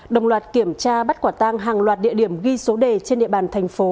đồng loạt kiểm tra bắt quả tang hàng loạt địa điểm ghi số đề trên địa bàn thành phố